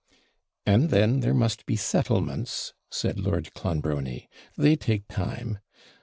'And then there must be settlements,' said Lord Clonbrony; 'they take time.